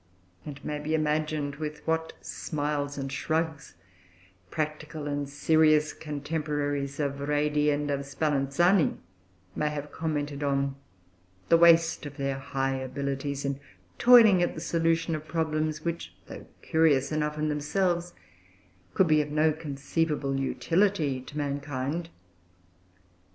And it may be imagined with what smiles and shrugs, practical and serious contemporaries of Redi and of Spallanzani may have commented on the waste of their high abilities in toiling at the solution of problems which, though curious enough in themselves, could be of no conceivable utility to mankind.